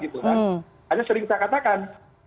hanya sering kita katakan